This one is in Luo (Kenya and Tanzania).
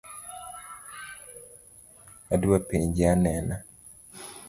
Adwa penje anena